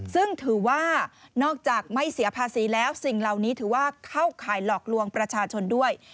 ซึ่งถือว่านอกจากไม่เสียภาษีแล้วสิ่งเหล่านี้ถือว่าเข้าข่ายหลอกลวงประชาชนด้วย